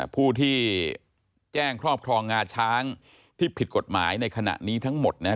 ผู้ที่แจ้งครอบครองงาช้างที่ผิดกฎหมายในขณะนี้ทั้งหมด